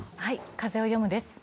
「風をよむ」です。